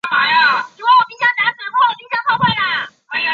未出数字版。